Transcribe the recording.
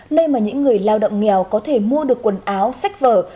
nơi mà những người lao động nghèo có thể mua được quần áo sách vở